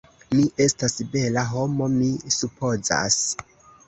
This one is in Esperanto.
Mi estas bela... homo mi supozas.